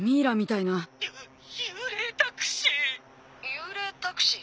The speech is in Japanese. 幽霊タクシー？